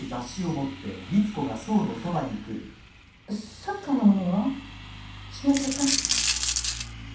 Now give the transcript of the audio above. サッカーのものは？しまっちゃった？